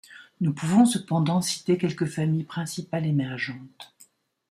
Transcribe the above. Nous pouvons cependant citer quelques familles principales émergentes.